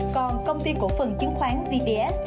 còn công ty cổ phần chứng khoán vps